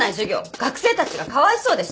学生たちがかわいそうです。